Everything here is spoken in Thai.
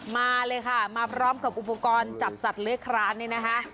มาเลยค่ะมาพร้อมกับอุปกรณ์จับสัตว์เลื้อยคลานนี่นะคะ